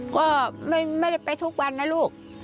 ก็ไม่ได้ไปทุกวันนะลูก